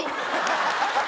ハハハハ！